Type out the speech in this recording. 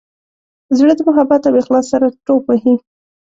زړه د محبت او اخلاص سره ټوپ وهي.